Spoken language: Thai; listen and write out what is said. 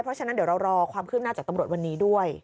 เพราะฉะนั้นเดี๋ยวเรารอความคืบหน้าจากตำรวจวันนี้ด้วย